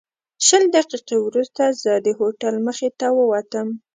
شل دقیقې وروسته زه د هوټل مخې ته ووتم.